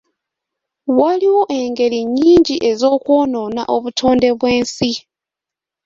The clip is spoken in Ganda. Waliwo engeri nnyingi ez'okwonoona obutonde bw'ensi.